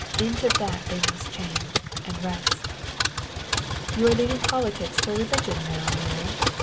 Into that they must change, and rest." "You are leaving politics for religion now, Mary.